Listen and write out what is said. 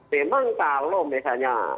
memang kalau misalnya